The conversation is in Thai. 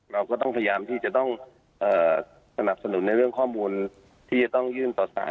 เราก็ต้องพยายามที่จะต้องสนับสนุนในเรื่องข้อมูลที่จะต้องยื่นต่อสาร